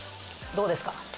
どうですか？